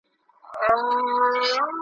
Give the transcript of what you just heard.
مور یې کړله په یوه ګړي پر بوره ,